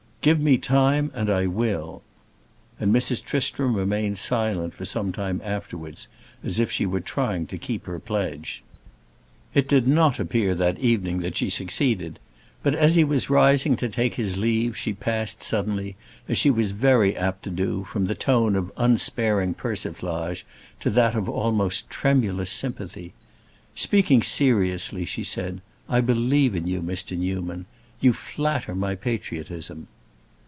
Give me time and I will." And Mrs. Tristram remained silent for some time afterwards, as if she was trying to keep her pledge. It did not appear that evening that she succeeded; but as he was rising to take his leave she passed suddenly, as she was very apt to do, from the tone of unsparing persiflage to that of almost tremulous sympathy. "Speaking seriously," she said, "I believe in you, Mr. Newman. You flatter my patriotism."